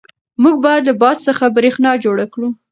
موږ باید له باد څخه برېښنا جوړه کړو.